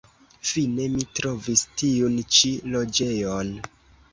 Fine mi trovis tiun ĉi loĝejon.